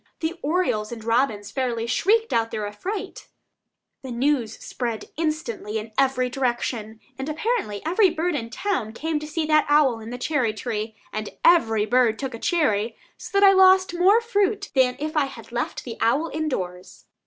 The orioles and robins fairly "shrieked out their affright." The news instantly spread in every direction, and apparently every bird in town came to see that owl in the cherry tree, and every bird took a cherry, so that I lost more fruit than if I had left the owl in doors.